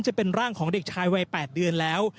จะเป็นร่างของเด็กชายวัย๘เดือนแล้ว